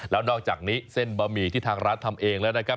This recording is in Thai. แล้วนอกจากนี้เส้นบะหมี่ที่ทางร้านทำเองแล้วนะครับ